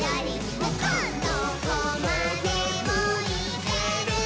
「どこまでもいけるぞ！」